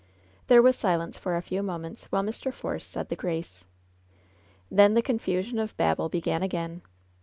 There was silence for a few moments while Mr. Force said the grace. Then the confusion of Babel began again.